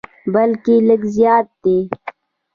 بلکې لږ زیات دي.